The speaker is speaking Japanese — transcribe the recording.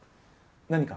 何か？